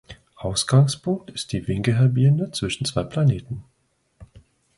Ausgangspunkt ist die Winkelhalbierende zwischen zwei Planeten.